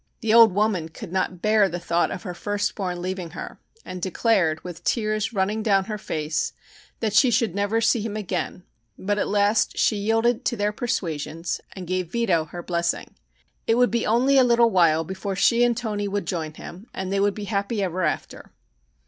The old woman could not bear the thought of her firstborn leaving her, and declared, with the tears running down her face, that she should never see him again, but at last she yielded to their persuasions and gave Vito her blessing. It would be only a little while before she and Toni would join him, and they would be happy ever after.